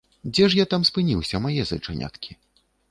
Дзе ж я там спыніўся, мае зайчаняткі?